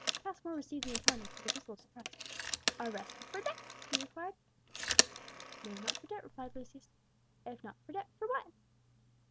Passmore received the intelligence with a whistle of surprise. "Arrested for debt?" he inquired. "No; not for debt," replied Lucius. "If not for debt, what then?"